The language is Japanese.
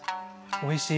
おいしい。